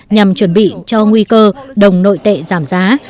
nhằm chuẩn bị cho nguy cơ đồng nội tệ giảm giá